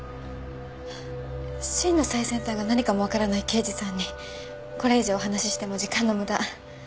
真の最先端が何かもわからない刑事さんにこれ以上お話ししても時間の無駄。